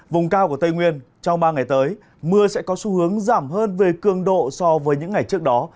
vùng cao của tây nguyên trong ba ngày tới mưa sẽ có xu hướng giảm hơn về cường độ so với những ngày trước đó